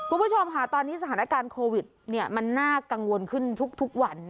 คุณผู้ชมค่ะตอนนี้สถานการณ์โควิดมันน่ากังวลขึ้นทุกวัน